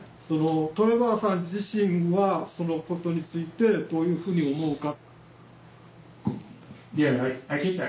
トレバーさん自身はそのことについてどういうふうに思うか？